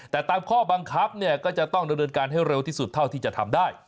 แต่ตามข้อบังคับเนี่ยก็จะต้องดำเนินการให้เร็วที่สุดเท่าที่จะทำได้